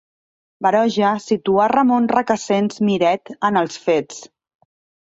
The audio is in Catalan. Baroja situà Ramon Recasens Miret en els fets.